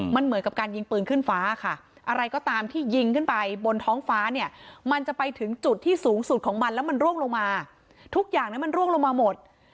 มันเหมือนกับการยิงปืนขึ้นฟ้าค่ะอะไรก็ตามที่ยิงขึ้นไปบนท้องฟ้าเนี่ยมันจะไปถึงจุดที่สูงสุดของมันแล้วมันร่วงลงมาทุกอย่างนั้นมันร่วงลงมาหมด